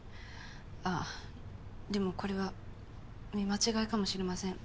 あっでもこれは見間違いかもしれません。